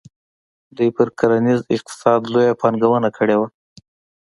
دوی پر کرنیز اقتصاد لویه پانګونه کړې وه.